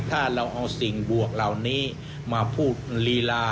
ถ้าเราเอาสิ่งบวกเหล่านี้มาพูดลีลา